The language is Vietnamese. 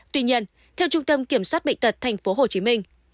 tuy nhiên theo trung tâm kiểm soát bệnh tật tp hcm